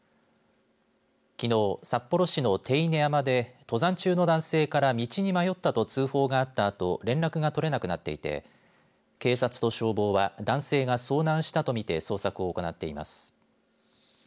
きのう、札幌市の手稲山で登山中の男性から道に迷ったと通報があったあと連絡が取れなくなっていて警察と消防は男性が遭難したと見て捜索を行っています。